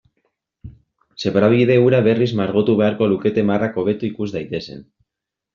Zebrabide hura berriz margotu beharko lukete marrak hobeto ikus daitezen.